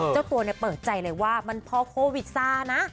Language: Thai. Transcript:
เจ้าตัวเปิดใจเลยว่ามันพอโควิดซานะ